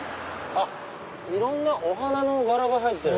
いろんなお花の柄が入ってる。